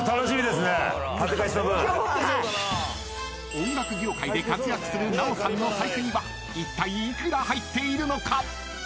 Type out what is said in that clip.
［音楽業界で活躍するナヲさんの財布にはいったい幾ら入っているのか？］